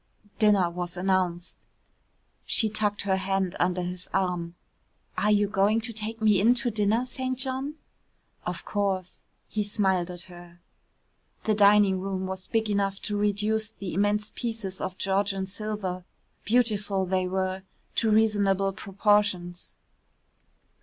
Dinner was announced. She tucked her hand under his arm. "Are you going to take me in to dinner, St. John?" "Of course," he smiled at her. The dining room was big enough to reduce the immense pieces of Georgian silver beautiful they were to reasonable proportions.